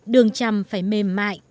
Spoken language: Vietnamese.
đường chăm phải mềm mại